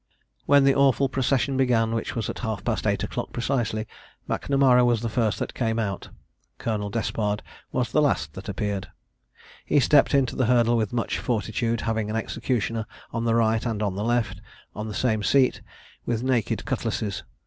When the awful procession began, which was at half past eight o'clock precisely, Macnamara was the first that came out. Colonel Despard was the last that appeared. He stept into the hurdle with much fortitude, having an executioner on the right and on the left, on the same seat, with naked cutlasses.